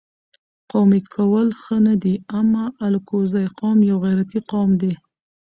قومي کول ښه نه دي اما الکوزی قوم یو غیرتي قوم دي